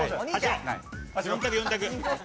４択４択。